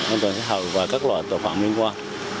an toàn xã hội và các loại tội phạm liên quan